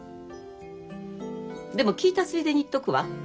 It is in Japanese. でも聞いたついでに言っとくわ。